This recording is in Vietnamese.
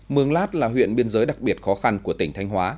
mường lát là huyện biên giới đặc biệt khó khăn của tỉnh thanh hóa